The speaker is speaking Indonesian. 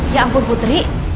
ya ampun putri